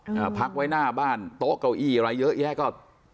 อ่าพักไว้หน้าบ้านโต๊ะเก้าอี้อะไรเยอะแยะก็